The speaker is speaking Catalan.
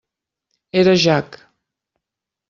Era Jack.